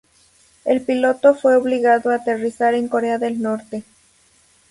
El piloto fue obligado a aterrizar en Corea del Norte.